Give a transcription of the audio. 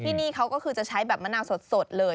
ที่นี่เขาก็คือจะใช้แบบมะนาวสดเลย